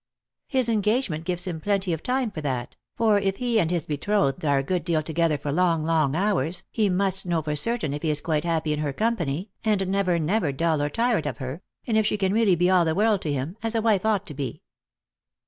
His engagement gives him plenty of time for that; for if he and his betrothed are a good deal together for long, long hours, he must know for certain if he is quite happy in her company, and never, never dull or tired of her ; and if she can really be all the world to him— as a wife ought to be."